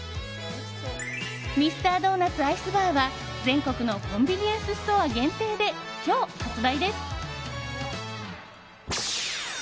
ミスタードーナツアイスバーは全国のコンビニエンスストア限定で今日発売です。